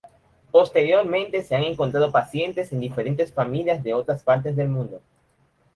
Posteriormente se han encontrado pacientes en diferentes familias de otras partes del mundo.